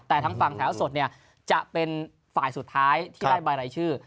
แต่ทางฝั่งแถวสดเนี่ยจะเป็นฝ่ายสุดท้ายที่ได้ใบรายชื่อ